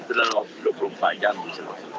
itu dalam dua puluh empat jam bisa lulusin